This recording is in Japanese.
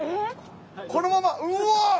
このままうわっ！